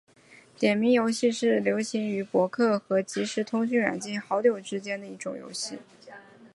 点名游戏是流行于博客和即时通讯软件好友之间的一种游戏。